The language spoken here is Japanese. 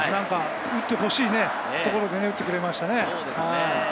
打ってほしいところで打ってくれましたね。